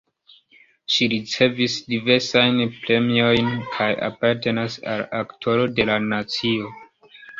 Ŝi ricevis diversajn premiojn kaj apartenas al Aktoro de la nacio.